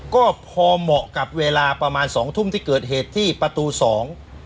ก็พอเหมาะกับเวลาประมาณสองทุ่มที่เกิดเหตุที่ประตูสอง